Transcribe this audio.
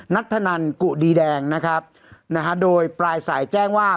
นัทธนันกุดีแดงนะครับนะฮะโดยปลายสายแจ้งว่า